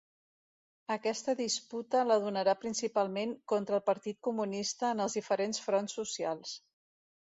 Aquesta disputa la donarà principalment contra el Partit Comunista en els diferents fronts socials.